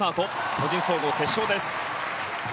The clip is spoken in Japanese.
個人総合決勝です。